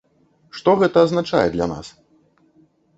Што гэта азначае для нас?